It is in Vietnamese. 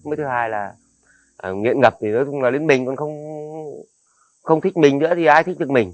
mới thứ hai là nghiện ngập thì nói chung là đến mình còn không thích mình nữa thì ai thích được mình